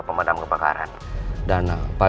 pemadam kebakaran dan pak al